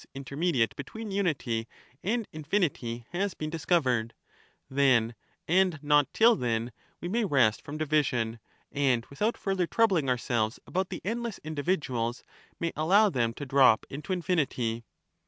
Intermediate species: From Unity to Infinity^ between unity and infinity has been discovered, — then, and not till then, we may rest from division, and without further troubling ourselves about the endless individuals may allow them to drop into infinity.